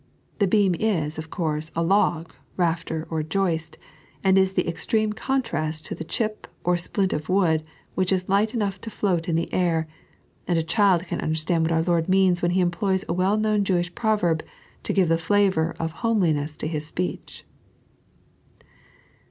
The beam is, of course, a log, rafter, or joist, and is the extreme contrast to the chip or splint of wood which is light enough to float in the air ; and a child con under stand what our Lord means when He employs a well known Jewish proYerb to give the flavour of homeliness to His speech.